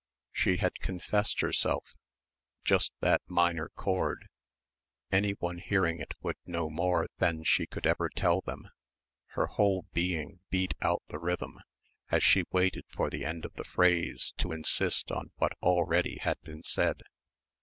She had confessed herself ... just that minor chord ... anyone hearing it would know more than she could ever tell them ... her whole being beat out the rhythm as she waited for the end of the phrase to insist on what already had been said.